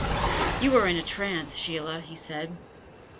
"You are in a trance, Sheila," he said.